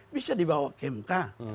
bisa dibawa ke mk